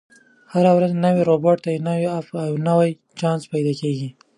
هره ورځ یو نوی روباټ، یو نوی اپ، او یو نوی چانس پیدا کېږي.